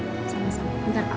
sama sama bentar pak